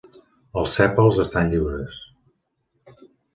Els sèpals estan lliures.